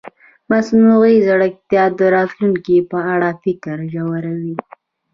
مصنوعي ځیرکتیا د راتلونکي په اړه فکر ژوروي.